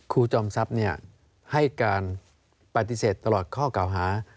ครูจอมทรัพย์เนี่ยให้การปฏิเสธตลอดข้อกล่าวฮา